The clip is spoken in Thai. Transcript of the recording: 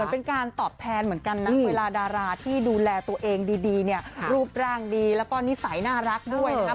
เป็นการตอบแทนเหมือนกันนะเวลาดาราที่ดูแลตัวเองดีเนี่ยรูปร่างดีแล้วก็นิสัยน่ารักด้วยนะครับ